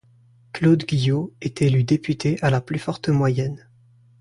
Claude Guyot est élu député à la plus forte moyenne.